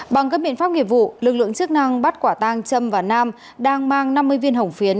bằng các biện pháp nghiệp vụ lực lượng chức năng bắt quả tang trâm và nam đang mang năm mươi viên hồng phiến